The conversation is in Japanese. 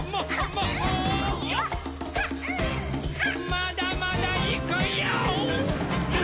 まだまだいくヨー！